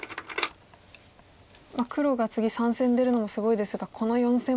黒が次３線出るのもすごいですがこの４線も。